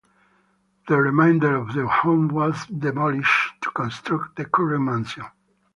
The remainder of the home was demolished to construct the current mansion.